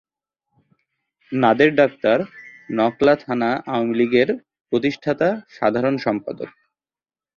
Nader doctor Nakla থানা আওয়ামীলীগের প্রতিষ্ঠাতা সাধারণ সম্পাদক।